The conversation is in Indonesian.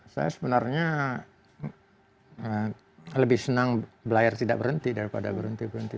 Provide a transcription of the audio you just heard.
saya sebenarnya lebih senang belajar tidak berhenti daripada berhenti berhenti